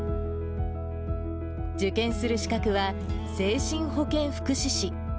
受験する資格は、精神保健福祉士。